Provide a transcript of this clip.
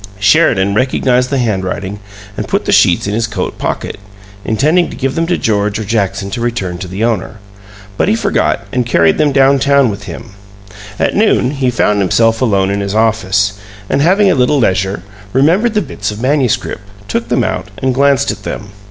Sheridan recognized the handwriting and put the sheets in his coat pocket, intending to give them to George or Jackson for return to the owner, but he forgot and carried them down town with him. At noon he found himself alone in his office, and, having a little leisure, remembered the bits of manuscript, took them out, and glanced at them.